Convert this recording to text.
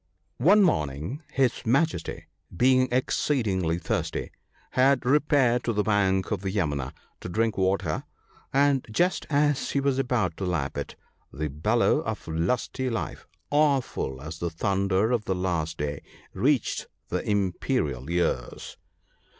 One morning, his Majesty, being exceedingly thirsty, had repaired to the bank of the Jumna to drink water, and just as he was about to lap it, the bellow of Lusty life, awful as the thunder of the last day, reached the imperial ears.